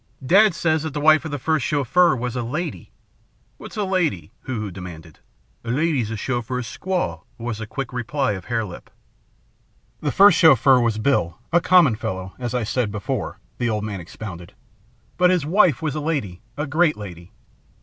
"Dad says that the wife of the first Chauffeur was a lady " "What's a lady?" Hoo Hoo demanded. "A lady 's a Chauffeur squaw," was the quick reply of Hare Lip. "The first Chauffeur was Bill, a common fellow, as I said before," the old man expounded; "but his wife was a lady, a great lady.